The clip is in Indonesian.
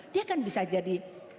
dia kan bisa jadi